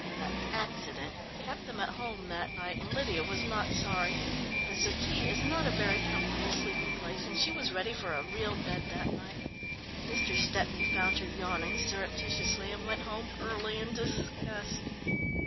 The "accident" kept them at home that night, and Lydia was not sorry. A settee is not a very comfortable sleeping place, and she was ready for a real bed that night. Mr. Stepney found her yawning surreptitiously, and went home early in disgust.